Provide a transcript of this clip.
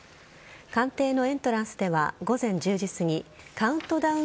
官邸のエントランスでは午前１０時すぎカウントダウン